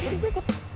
jadi gue ikut